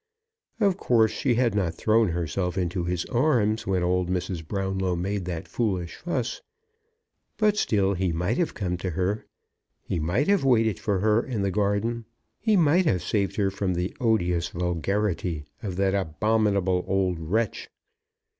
Of course she had not thrown herself into his arms when old Mrs. Brownlow made that foolish fuss. But still he might have come to her. He might have waited for her in the garden. He might have saved her from the "odious vulgarity" of that "abominable old wretch."